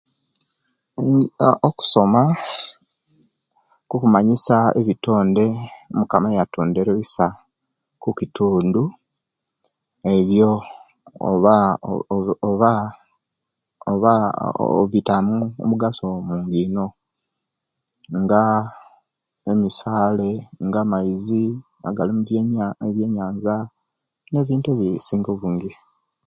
Okusoma, kukumanyisia ebitonde Mukama ebiyatondere ebisa okukitundu, ebyo oba oba oba, obitamu omugaso mungi inu, nga emisaale, nga amaizi agalimu ebyenyanza, nebintu ebisinga obuungi.